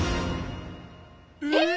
えっ！